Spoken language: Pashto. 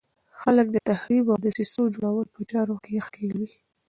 خلک د تخریب او دسیسو جوړولو په چارو کې ښکېل وي.